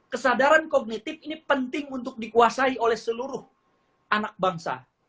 kesadaran kognitif ini penting untuk dikuasai oleh seluruh anak bangsa